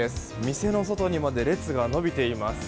店の外にまで列が伸びています。